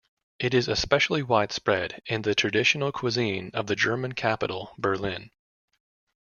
It is especially widespread in the traditional cuisine of the German capital Berlin.